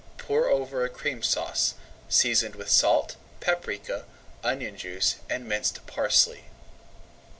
Pour over a Cream Sauce, seasoned with salt, paprika, onion juice, and minced parsley.